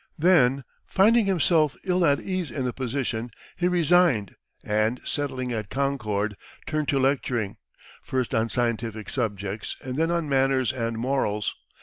Then, finding himself ill at ease in the position, he resigned, and, settling at Concord, turned to lecturing, first on scientific subjects and then on manners and morals.